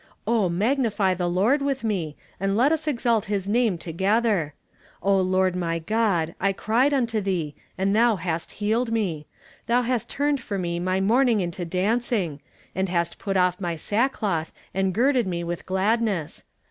"O magnify the Lord with me, and let us exalt his name to gether. O Lord my God, I cried unto thee, and thou hast healed me ! Thou hast turne«l for me my mourning into dancing ; and hast put off my sackcloth and girded me with gladness.